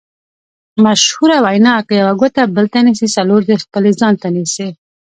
مشهوره وینا: که یوه ګوته بل ته نیسې څلور دې خپل ځان ته نیسې.